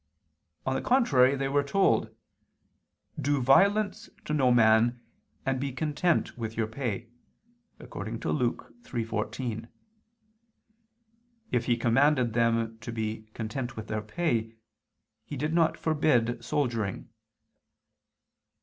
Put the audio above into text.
On the contrary, they were told: 'Do violence to no man ... and be content with your pay' [*Luke 3:14]. If he commanded them to be content with their pay, he did not forbid soldiering."